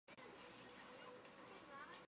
担任劳模。